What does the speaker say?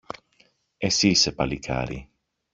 Εσύ είσαι, παλικάρι